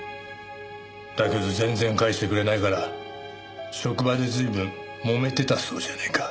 だけど全然返してくれないから職場で随分もめてたそうじゃねえか。